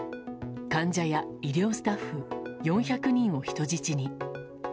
患者や医療スタッフ４００人を人質に。